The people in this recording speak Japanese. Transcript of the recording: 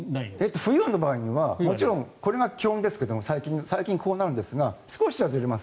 冬の場合にはこれが基本ですが最近こうなるんですが少し外れます。